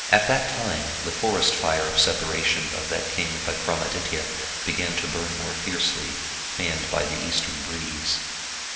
At that time the forest fire of separation of that king Vikramaditya began to bum more fiercely, fanned by the eastern breeze.